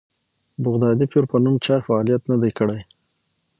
بغدادي پیر په نوم چا فعالیت نه دی کړی.